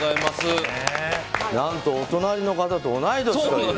何とお隣の方と同い年。